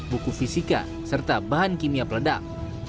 buku fisika serta bahan kimia peledak